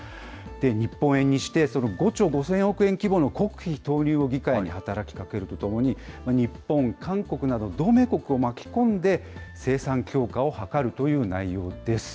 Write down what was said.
日本円にして５兆５０００億円規模の国費投入を議会に働きかけるとともに、日本、韓国など同盟国を巻き込んで、生産強化を図るという内容です。